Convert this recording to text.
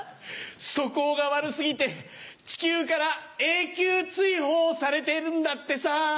素行が悪過ぎて地球から永久追放されてるんだってさ。